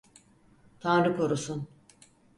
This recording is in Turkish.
Tanrı korusun!